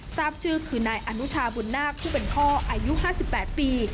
ทราบชื่อคือนายอนุชาบุญนาคผู้เป็นพ่ออายุ๕๘ปี